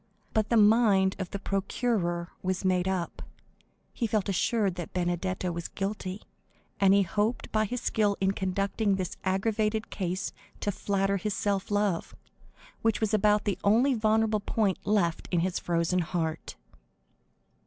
But the mind of the procureur was made up; he felt assured that Benedetto was guilty, and he hoped by his skill in conducting this aggravated case to flatter his self love, which was about the only vulnerable point left in his frozen heart.